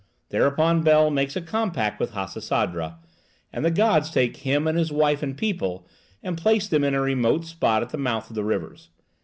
Thereupon Bel makes a compact with Hasisadra, and the gods take him and his wife and people and place them in a remote spot at the mouth of the rivers.